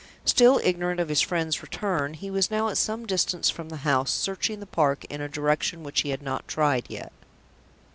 Still ignorant of his friend's return, he was now at some distance from the house, searching the park in a direction which he had not tried yet.